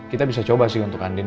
kita bisa coba sih untuk andin